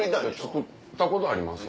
作ったことあります？